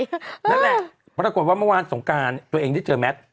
นั่นแหละปรากฏว่าเมื่อวานสงการตัวเองได้เจอแมท